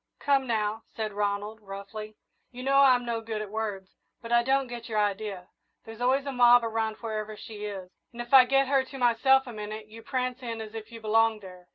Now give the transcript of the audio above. "Come now," said Ronald, roughly; "you know I'm no good at words, but I don't get your idea. There's always a mob around wherever she is, and if I get her to myself a minute you prance in as if you belonged there.